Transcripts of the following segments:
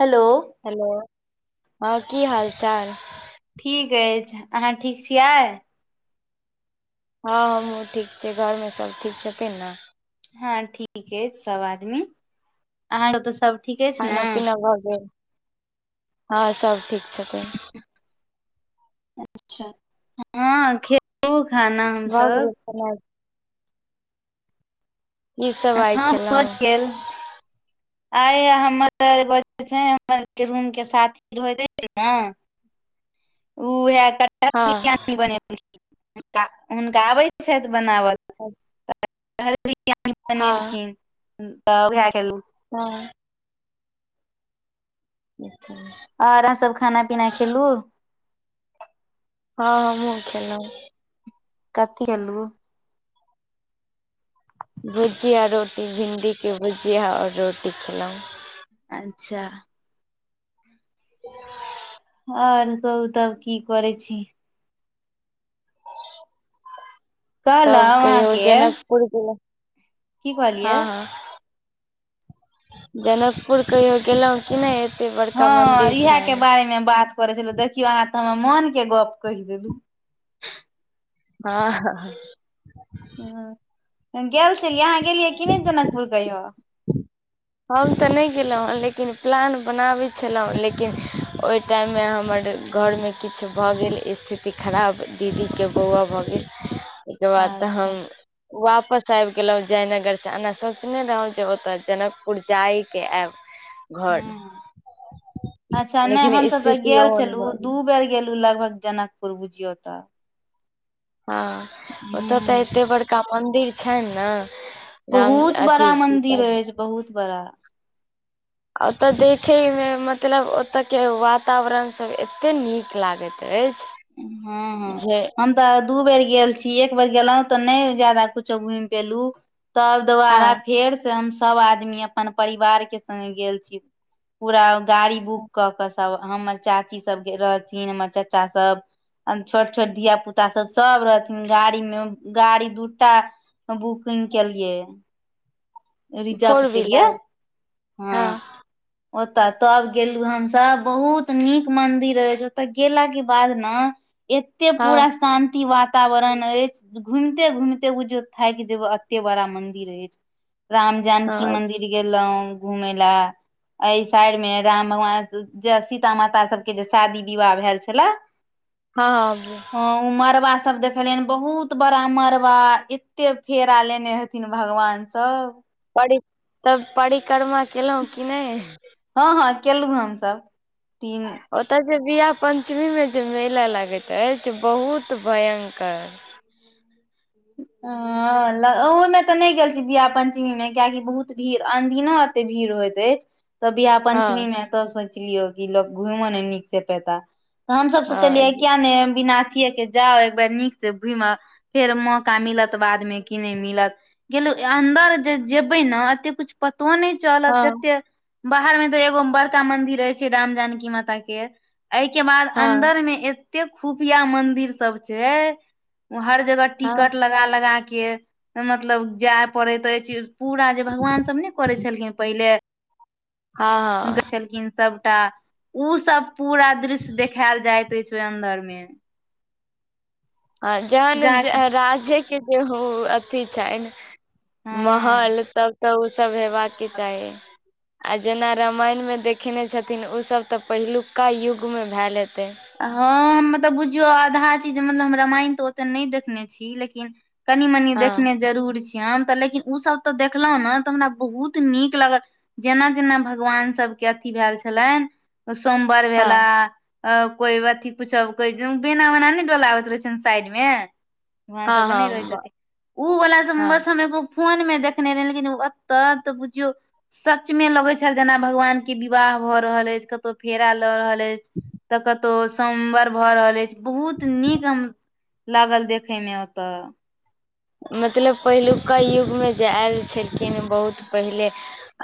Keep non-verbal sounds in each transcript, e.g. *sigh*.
Hello hello हँ कि हाल चाल ठीक अछि आहाँ ठीक छियै हँ हमहूँ ठीक छियै घर में सब ठीक छथिन न हँ ठीक अछि सब आदमी अहाँके ओत सब ठीक अछि ने खाना पीना भऽ गेल, हँ सब ठीक छथिन अच्छा हँ खेत ओ खाना भ गेलै खैनाय की सब आइ हा भ खेलहुँ गेल आय हमर रूम के साथी कियो नै छै न ओ वे *unintelligible* हँ बनेल हुनका आबै छै छैथ बनाबऽ ‌ *unintelligible* बने हँ लखिन त *unintelligible* खेलू हँ *inaudible* आओर सब खाना पीना खेलु हँ हमुँ खेलौ कथी खेलु भुजिया रोटी भिंडी के भुजिया आओर रोटी खेलह अच्छा *inaudible* आओर कहु तब कि करै छी कहलहु तब कहियो अहाँके जनकपुर गेले की कहलियै हँ जनकपुर कहियो गेलौ कि नै हँ इहे के बारे मे बात करे छलु देखियो अहाँ तऽ हमर मोन के गप कैह देलु आहा हं गेल छलियै अहाँ गेलियै कि नै जनकपुर कहियो हम तऽ नै गेलहुँ लेकिन प्लान बनाबै छलहुँ लेकिन ओहि टाइमे हमर घर में किछ भऽ गेल स्थिति खराब दीदी के बौआ भऽ गेल *inaudible* जो बा त अच्छा हम वापस आइब गेलहुं जयनगर से ओना सोचने रहौ जे ओतऽ जनक पुर जइके आयब घर। ह अच्छा नै लेकिन हमसभ तऽ स्थिति गेल ओहन छलु भऽ दू गेल बेर गेलु लगभग जनक। पुर रबुजिय तऽ। हँ ओतय तऽ हूँ एते बड़का मन्दिर छैन ने। राम बहुत बड़ा अथी मंदिर सीता अछि बहुत बड़ा ओत देखय मे मतलब ओत के वातावरण सभ एतेक नीक लागति अछि हँ हँ जे हम तऽ दू बेर गेल छी एक बेर गेलौं तऽ नय जादा कुछ घुमि क पेलू तब दोबारा हँ फेर से हम सब आदमी अपन परिवार के संगे गेल छी पूरा गाड़ी बुक क क सब हमर चाची सब गेल रहथिन हमर चाचा सब छोट छोट धिया पुता सब सब रहथिन गाड़ी मे गाड़ी दूटा बुकिंग केलियै रिजप फोर केलियै व्हीलर हँ ओतय तब गेलु हमसब बहुत नीक मंदिर अछि ओतय गेला के बाद न एते हँ पूरा शान्ति वाता वरण अछि घूमते घूमिते उ जे थाइक जेब एते बड़ा मंदिर अछि राम जानकी हँ मंदिर गेलौं घूमे लए एहि साइड मे राम भगवान जे सीता माता सबके जे शादी विवाह भेल छले *inaudible* हँ अब हं उ मड़बा सब देखलियन बहुत बड़ा मड़बा एते फेरा लेने हे थिन भगवान सब पर तब परिक्रमा केलौं कि नय हँ हँ केलौं हमसब तीन ओतय जे बिवाह पंचमी मे जे मेला लागति अछि से बहुत भयंकर *inaudible* ह ओहोमे तऽ नय गेल छी विवाह पंचमी मे कियकि बहुत भीड़ अनदिना एते भीड़ होइत अछि तऽ बियाह हँ पंचमी मे तऽ सोचलियो कि ल घुमो ने नीक से पेता हमसब हँ सोचलियै किया नय बिना अथिये के जाउ एक बेर नीक से घुम आउ फेर मौ का मिलत बाद मे की नय मिलत गेलु अन्दर जे जेबे ने एते कुछ पतो नय चलत हँ जते बाहर मे तऽ एगो बड़का मंन्दिर रहै छै राम जानकी माता के एहि के बाद हँ अन्दर मे एते खुफिया मंदिर सब छै हर जगह हँ टिकट लगा लगा के मतलब जाय पड़ति अछि चीज पूरा जे भगवान सब नय करै छलखिन पहिले हँ छलखिन सबटा उ सब पूरा दृश्य देखायल जाइत अछि ओई अन्दर मे आ जहन जे जाके राजे जे अथी छनि हँ महल तब तऽ ओ सब हे बाके चाही आ जेना रामायण मे देखेने छथिन ओसभ तऽ पहिलुका युग मे भैल हेतै हँ मतलब बुझियौ आधा चीज जे मतलब हम रामायण तऽ ओते त नय देखने छी लेकिन कनि मनी हँ देखने जरूर छी हम तऽ लेकिन ओसभ तऽ देखलहुँ ने तऽ हमरा बहुत नीक लागल जेना जेना भगवान सभके अथी भेल छलनि सोम्वर हँ भेला अ कोइ अथी कुछो कोइ बेना वना नय डोलाबति रहै छै साइड मे वहाँ हँ सबके नय रहै हँ छथि ओ वला सब हँ बस फोन मे देखने रहि लेकिन ओतऽ तऽ बुझियौ सच मे लगै छल जेना भगवान के विवाह भऽ रहल अछि कतौ फेरा लऽ रहल अति तऽ कतौ सोम्मवर भऽ रहल अछि बहुत नीक हम लागल देखै मे ओतऽ मतलब पहिलुका युगमे जे आयल छलखिन बहुत पहिले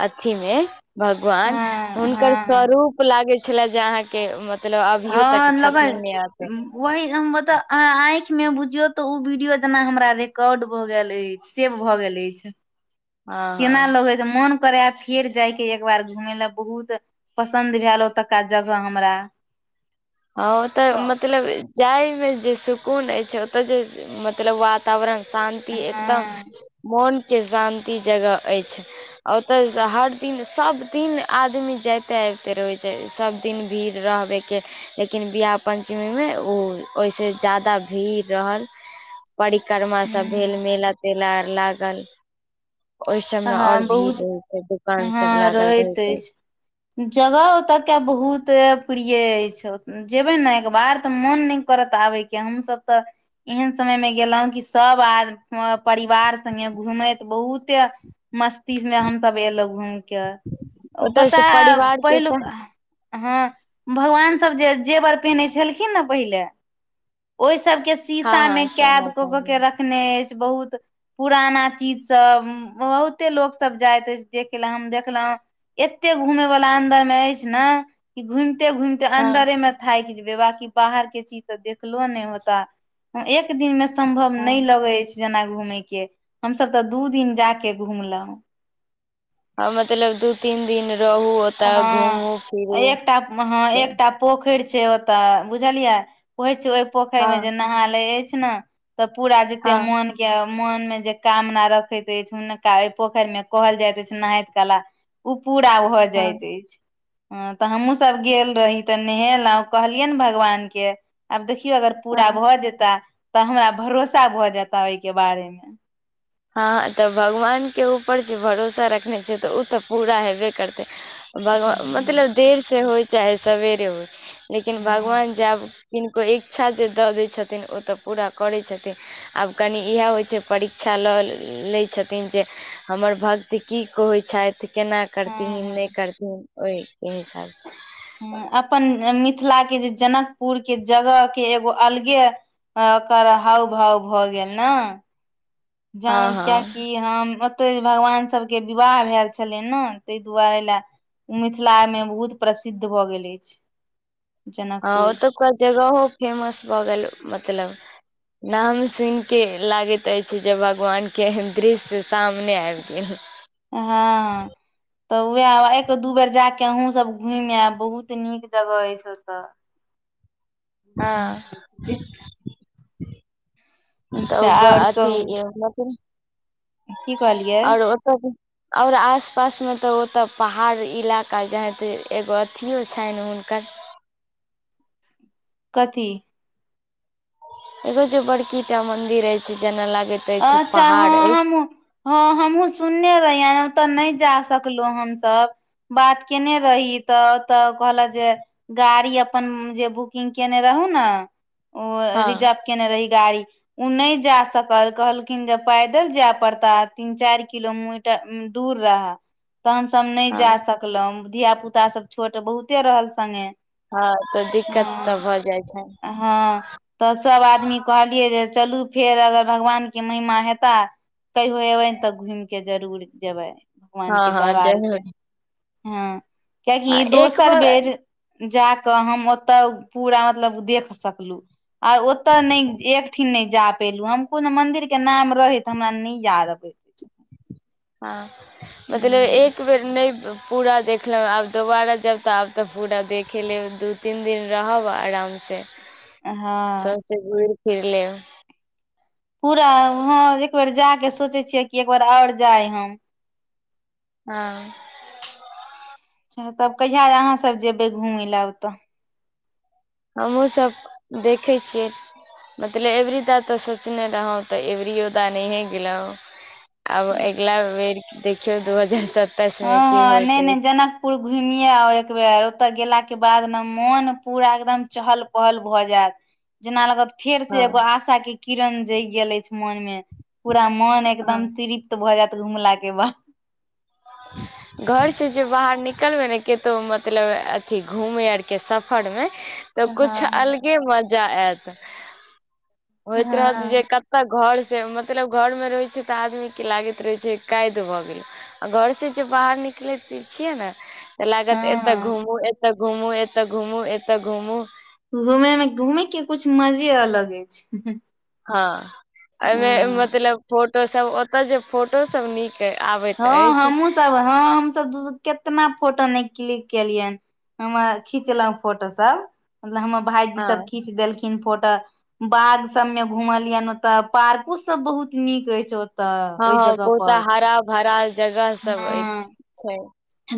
अथी मे भगवान हँ हुनकर हँ स्वरूप लागै छलए जे अहाँके मत लब अभियो तक हँ लगल छथिन ने आते वही मता आंखि मे बुझियौ ते उ वीडियो जेना हमरा रिकॉर्ड भ गेल अछि सेब भऽ गेल अछि हँ केना हँ लो मन करै हा फेर जायके एकबार घूमे लए बहुत पसन्द भेल ओतुका जगह हमरा हँ ओतऽ हँ मतलब जाय मे जे सुकून अछि ओतऽ जे मतलब वा तावरण शान्ति एकदम ह मोन के शान्ति जगह अछि ओतय स हर दिन सभ दिन आदमी जायइते अबिते रहै छै सभ दिन भीड़ रहबे के लेकिन विवाह पञ्चमी मे ओ ओहिसँ जादा भीड़ रहल परिक्रमा सब भेल मेला तेला आर लागल ओहि सबमे और हँ भीड़ बहुत रहे छै दुकान सब हँ लागल रहे रहति छै अछि जगह ओत के बहुत प्रिय अछि ओत जेबै न एक बार तऽ मोन नय करत आबय के हमसभ तऽ एहन समय मे गेलौं कि सब आ परिवार संगे घूमति बहुते मस्तिष् मे हमसभ एलौ घूइम क ओतय पता से हे परिवार के पहिलुक संग हँ भगवान सब जे जेवर पहिनै छलखिन ने पहिले ओहि सब के हँ शीसा हँ मे सुनऽ कैद क चाही के रखने खने अछि बहुत पुराना चीज सब बहुते लोक सब जाइत अछि देखैले हम देखलौ एते घूमे वालला अन्दर में अछि ने कि घुमिते घुमते हँ अंन्दरे मे थाकि जेबै बाकि बाहर के चीज तऽ देखलो नय होता एक दिन मे सम्भव नय हँ लगे अछि जेना घूमे के हमसब तऽ दू दिन जाक घुमलौ आ मतलब दू तीन दिन रहू ओ हँ एकटा हँ एकटा पोखरि छै ओतऽ बुझलियै कहै छै ओहि पोखरि मे जे हँ नहा लै अछि ने तऽ पूरा जेते हँ मोन के मोन मे जे कामना रखति अछि हुनका एहि पोखरि मे कहल जाइत अछि नहाइत कला ओ पूरा भऽ जाइत हँ अछि ह तऽ हमहूँ सब गेल रही तऽ नहेलौ आ कहलियनि भगवान के आब देखियौ अगर पूरा हँ भऽ जेता तऽ हमरा भरोसा भऽ जेता ओहिके बारे मे हँ तऽ भगवान के ऊपर जे भरोसा रखने छै तऽ ओ तऽ पूरा हेबे करतै भगव हूँ मतलब देरसँ होय चाहे सवेरे होय लेकिन हूँ भगवान जे आब किनको इच्छा जे दऽ दै छथिन ओ तऽ पूरा करै छथिन आब कनि इएह होइ छै परीक्षा लऽ लै छथिन जे हमर भक्त की कहै छथि केना हँ करथिहीन हँ नय करथिन ओहिके हिसाब सँ हूं अपन मिथिला के जे जनकपुर के जगह के एगो अलगे ओकर हाव भाव भऽ गेल न हँ जान हँ कियाकि कि हम ओतहि भगवान सभ के विवाह भेल छलै ने ताहि दुआरे लए ओ मिथिला मे बहुत प्रसिद्ध भऽ गेल अछि हँ जनकपुर ओतुका जगहो फेमस भऽ गेल मतलब नाम सुनिके लागैत अछि जे भगवान के दृश्य सामने आबि गेल हँ तऽ वएह एक दू बेर जा के अहूँ सब घुमि आयब बहुत नीक जगह अछि ओतऽ *inaudible* हँ त उ अच्छा आओर अथी कहू की कहलियै आओर ओतऽ आओर आस पास मे तऽ ओतय पहाड़ इलाका जेहन त एगो अथिओ छनि हुनकर कथी एगो जे बड़की टा मंदिर अछि जेना लागे अच्छा हँ हम हँ हमहूँ सुनने रहियै ओतऽ नय जा सकलौं हमसब बात केने रही तऽ तऽ कहलक जे गाड़ी अपन जे बुकिंग केने रहौ ने ओ हँ रिजप केने रही गाड़ी ओ नर जा सक कहलखिन जे पैदल जाय पड़ता तीन चारि किलोमीटर दूर रहैऽ तहन सभ नय जा हँ सकलौं धिया पुता सभ छोट बहुते रहल सङ्गे हँ तऽ दिक्कत तऽ भऽ जाइ छै हँ तऽ सब आदमी कहलियै जे चलू फेर अगर भगवान के महिमा हेता कहियो एबनि तऽ घूमि के जरूर जेबै भगवान हँ के हँ दरबार से जरूर हँ कियाकि ई दोसर बेर जा कऽ हम ओतऽ पूरा मतलब देख सकलू आ ओत नय एकठिन नय जा पेलु हम कोन मंदिर के नाम रहै त हमरा नय याद अबै हँ मतलब एक ह बेर नय पूरा देख लेब आब दोबारा जब तऽ आब तऽ पूरा देखे लेब दू तीन दिन रहब आराम सँ *inaudible* समस्ते घू *unintelligible* र फिर ले पूरा ह एकबेर जाक सोचे छियै कि एकबेार आओर जाय हम हँ अच्छा तब कहिया अहाँसभ जेबै घूमय लए ओतऽ हमहूँसभ देखै छियै मतलब एबरी द तऽ सोचने रहौँ तऽ अबरिओ द नहिए गेलौं आब अगिला बेर देखियौ दू हजार स हं हँ नय नय जनक पुर घुमिये आउ एक बेेर ओतऽ गेलाके बाद ने मोन पूरा एकदम चहल पहल भऽ जायत जेना लगतऽ फेर से हँ एगो आशा के किरण जगि गेल अछि मन मे पूरा मन हँ एकदम तृप्त भऽ जायत घुमला के बाद घर से जे बाहर निकलबै ने केतो मतलब अथी घूमे आर के सफर मे तो कुछ हँ अलगे मज जा आत होइत रहत जे हँ तऽ घर से मतलब घर मे रहै छै तऽ आदमी के लागति रहै छै कदि भऽ गेलौं आ घर से जे बाहर निकलति छियै ने तऽ लागत एतऽ हँ घूमू एतऽ घूमू एतऽ घूमू एतऽ घूमू घूमे मे घूमे के कुछ मजे अलग अछि हँ एमे हँ मतलब फोटो सब ओत जे फोटो सब नीक अई आबे हँ हमहू सब हँ हमसभ दू केतना फोटो नय क्लिक केलियनि हमे खिचलहु फोटो सब मतलब हमर भायजी हँ सब खीच देलखिन फोट बाघ सब मे घुमलियनि ओते पार्को सब बहुत नीक अछि ओ हँ हँ बहुत हरा भरा जगह सब हँ छै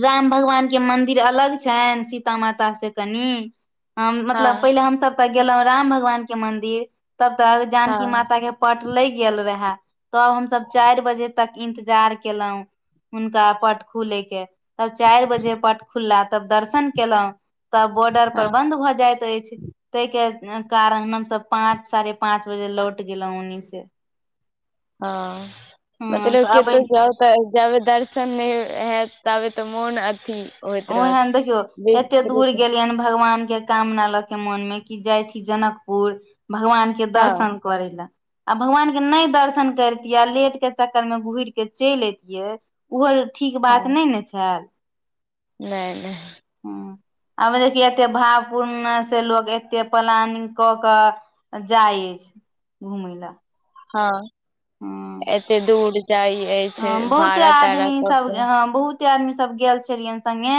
राम भगवान के मंन्दिर अलग छनि सीता माता से कनि हँ मतलब पहिले हम सब तक गेलौं राम भगवान के मंदिर तब तक जानकी हँ माता के पट लैग गेल रहे तब हमसभ चारि बजे तक इंतजार केलौं हुनका पट खुलैके तब चारि बजे पट खुलला तब दर्शन केलौं तब बॉर्डर पर हँ हँ बंन्द भऽ जाइत अछि तै के कारण हमसभ पांच साढ़े पाच बजे लौट गेलौ ओनि से हँ हँ मतलब तऽ केते अबै जे तऽ जाबे दर्शन नय हेत ताबे तऽ मोन अथी होइत रहत ओहेन देखियौ एते दूर विस्तृत। गेलियनि भगवान के कामना लऽ के मोन मे कि जाइ छी जनकपुर भगवान के हँ दर्शन करै लै आ भगवान के नय दर्शन करितियै आ लेट के चक्कर मे घुइर के चइल अतियै उहो ठीक बात नय नय छै नय नय हूं आब देखिय एते भावपूर्ण से लोकग एते प्लानिंग कऽ कऽ आ जाइ अछि घुमै लए हँ एते दूर जाइयै हं बहुते आदमी सब हं बहुत बहुते आदमी सब गेल छलियनि संगे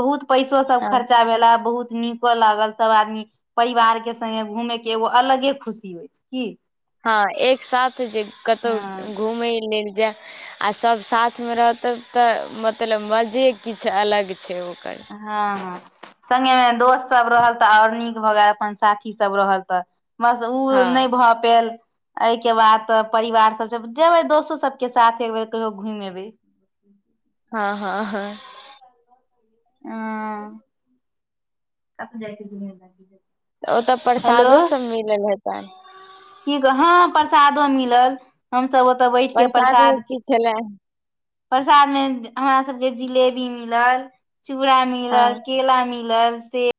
बहुत पैसो सब हँ खर्चा भेला बहुत नीक लागल सब आदमी परिवार के संगे घूमे के एगो अलगे खुशी होइ छै की हँ एक साथ जे कतौ हँ घूमैय लेल जे आ सभ साथ मे रहतौ तऽ मतलब मजे किछ अलग छै ओकर हँ हं संगे मे दोस्त सभ रहल तऽ आओरर नीक भऽ गेल अपन साथी सब रहल तऽ बस उ हँ नय भऽ पैल एहि के बाद त परिवार सब जब जेबै दोस्तो सबके साथ एक बेर कहियो घूइम एबै हँ हँ हँ अं कतअ जाइ छियै घुमैलै तऽ ओतऽ प्रसादो सभ मिलल हेतनि की कह हँ प्रसादो मिलल हमसब ओतऽ बैठ के मे प्रसाद खे की छलै प्रसाद मे अहाँ हमरा सबके जिलेबी मिलल चूड़ा हँ मिलल केला मिलल सेब